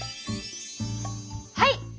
はい！